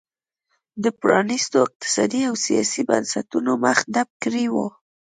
د پرانیستو اقتصادي او سیاسي بنسټونو مخه ډپ کړې وه.